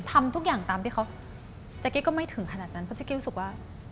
ทำทุกอย่างตามที่เขาแจ๊กกี้ก็ไม่ถึงขนาดนั้นเพราะเจ๊กี้รู้สึกว่า